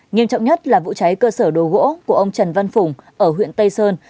nghiêm trọng nhất là vụ cháy cơ sở đồ gỗ của ông trần văn phùng ở huyện tây sơn